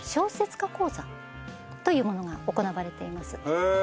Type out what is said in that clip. へえ。